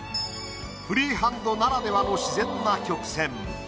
フリーハンドならではの自然な曲線。